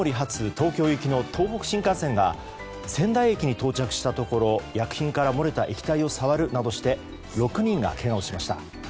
東京行きの東北新幹線が仙台駅に到着したところ薬品から漏れた液体を触るなどして６人がけがをしました。